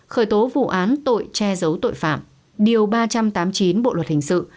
khởi tố vụ án tội che giấu tội phạm điều ba trăm tám mươi chín bộ luật hình sự